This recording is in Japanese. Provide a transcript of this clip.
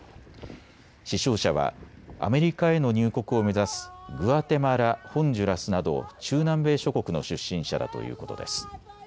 死傷者はアメリカへの入国を目指すグアテマラ、ホンジュラスなど中南米諸国の出身者だということです。